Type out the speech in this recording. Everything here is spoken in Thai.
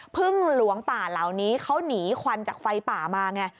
พึ่งหลวงป่าเหล่านี้เขาหนีควันจากไฟป่ามาไง